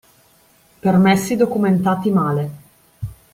Permessi documentati male